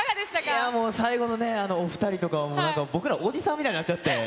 いやもう、最後のね、お２人とか、僕らおじさんみたいになっちゃって。